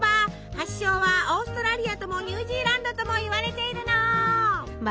発祥はオーストラリアともニュージーランドともいわれているの。